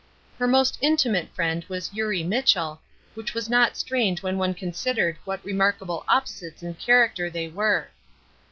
Her most intimate friend was Eurie Mitchell, which was not strange when one considered what remarkable opposites in character they were.